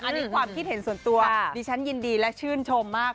อันนี้ความคิดเห็นส่วนตัวดิฉันยินดีและชื่นชมมาก